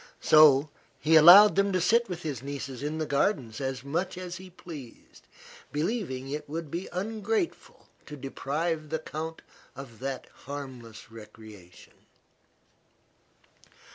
So he allowed him to sit with his nieces in the gardens as much as he pleased, believing it would be ungrateful to deprive the count of that harmless recreation.